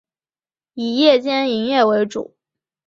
以夜间营业为主。